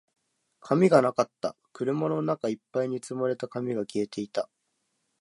紙がなかった。車の中一杯に積まれた紙が消えていた。